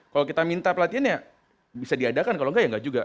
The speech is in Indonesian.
kalau kita minta pelatihan bisa diadakan kalau tidak tidak juga